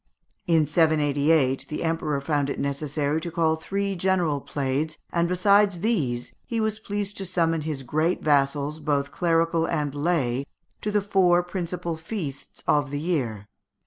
In 788, the emperor found it necessary to call three general plaids, and, besides these, he was pleased to summon his great vassals, both clerical and lay, to the four principal feasts of the year.